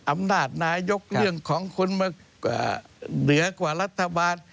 อำนาจนายกเรื่องของคนมากว่าเหนือกว่ารัฐบาล